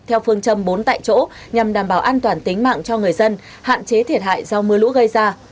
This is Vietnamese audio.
theo phương châm bốn tại chỗ nhằm đảm bảo an toàn tính mạng cho người dân hạn chế thiệt hại do mưa lũ gây ra